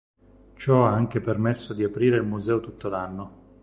Ciò ha anche permesso di aprire il museo tutto l'anno.